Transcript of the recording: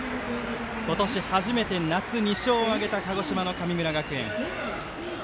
今年初めて夏、２勝を挙げた鹿児島の神村学園。